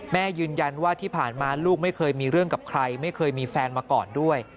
แม่ยืนยันว่าที่ผ่านมาลูกไม่เคยมีเรื่องกับใครไม่เคยมีแฟนมาก่อนด้วย